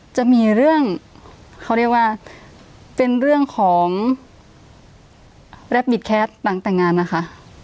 จะมีเรื่องเขาเรียกว่าเป็นเรื่องของต่างแต่งงานนะคะ